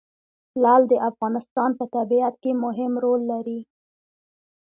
لعل د افغانستان په طبیعت کې مهم رول لري.